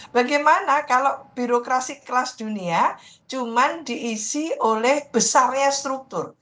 bagaimana kalau birokrasi kelas dunia cuma diisi oleh besarnya struktur